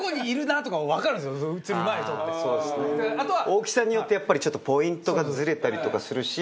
大きさによってやっぱりちょっとポイントがずれたりとかするし。